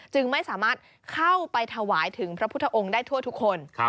จึงไม่สามารถเข้าไปถวายถึงพระพุทธองค์ได้ทั่วทุกคน